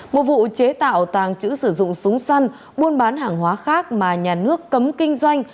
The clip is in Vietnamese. một vụ chế tạo tàng trữ sử dụng súng săn buôn bán hàng hóa khác mà nhà nước cấm kinh doanh